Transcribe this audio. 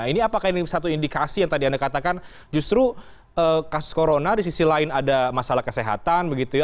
ini apakah ini satu indikasi yang tadi anda katakan justru kasus corona di sisi lain ada masalah kesehatan begitu ya